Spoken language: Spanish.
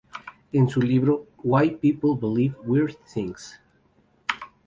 En su libro "Why people believe weird things?